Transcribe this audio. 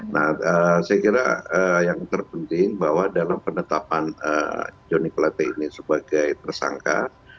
nah saya kira yang terpenting bahwa dalam penetapan johnny plate ini sebagai tersangka